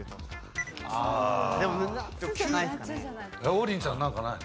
王林ちゃんなんかない？